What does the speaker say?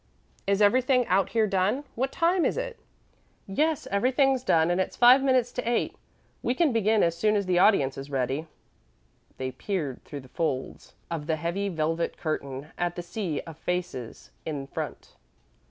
Is everything out here done? What time is it?" "Yes; everything's done, and it's five minutes of eight. We can begin as soon as the audience is ready." They peered through the folds of the heavy velvet curtain at the sea of faces in front.